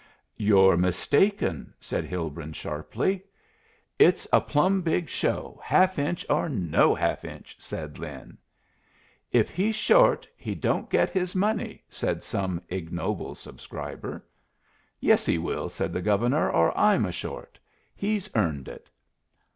"You're mistaken," said Hilbrun, sharply. "It's a plumb big show, half inch or no half inch," said Lin. "If he's short he don't get his money," said some ignoble subscriber "Yes, he will," said the Governor, "or I'm a short. He's earned it."